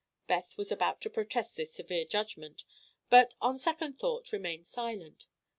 Beth was about to protest this severe judgment, but on second thought remained silent.